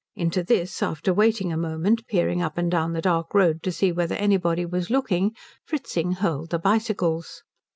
Into this, after waiting a moment peering up and down the dark road to see whether anybody was looking, Fritzing hurled the bicycles.